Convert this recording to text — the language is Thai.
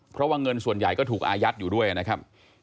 เพราะว่าเงินส่วนใหญ่ก็ถูกอายัดอยู่ด้วยนะครับ